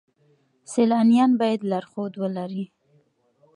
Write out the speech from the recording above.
سیلانیان باید لارښود ولرئ.